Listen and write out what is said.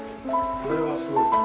これはすごいですね。